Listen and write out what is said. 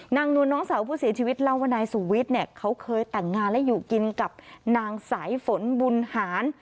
นวลน้องสาวผู้เสียชีวิตเล่าว่านายสุวิทย์เนี่ยเขาเคยแต่งงานและอยู่กินกับนางสายฝนบุญหาร